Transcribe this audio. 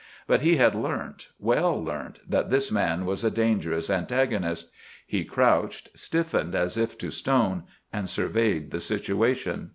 But he had learnt, well learnt, that this man was a dangerous antagonist. He crouched, stiffened as if to stone, and surveyed the situation.